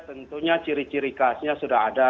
tentunya ciri ciri khasnya sudah ada